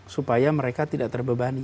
supaya mereka tidak terbebani